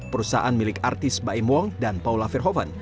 perusahaan milik artis baim wong dan paula verhoeven